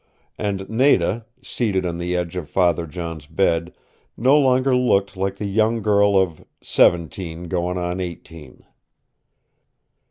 And Nada, seated on the edge of Father John's bed, no longer looked like the young girl of "seventeen goin' on eighteen."